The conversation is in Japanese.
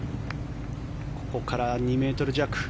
ここから２ｍ弱。